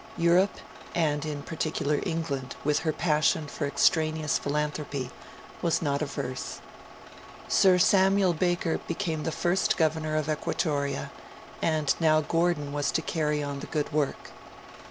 Europe, and, in particular, England, with her passion for extraneous philanthropy, was not averse. Sir Samuel Baker became the first Governor of Equatoria, and now Gordon was to carry on the good work.